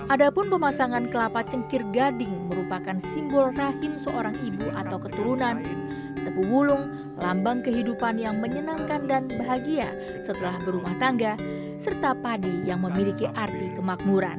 adapun pemasangan kelapa cengkir gading merupakan simbol rahim seorang ibu atau keturunan tebu wulung lambang kehidupan yang menyenangkan dan bahagia setelah berumah tangga serta padi yang memiliki arti kemakmuran